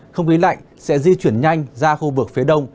không khí lạnh sẽ di chuyển nhanh ra khu vực phía đông